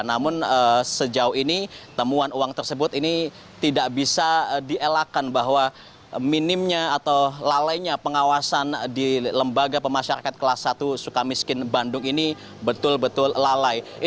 namun sejauh ini temuan uang tersebut ini tidak bisa dielakkan bahwa minimnya atau lalainya pengawasan di lembaga pemasyarakatan kelas satu suka miskin bandung ini betul betul lalai